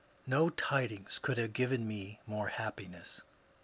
" no tidings could have given me more happiness.